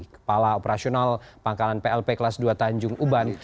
kepala operasional pangkalan plp kelas dua tanjung uban